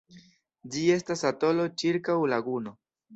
Ĝi estas atolo ĉirkaŭ laguno.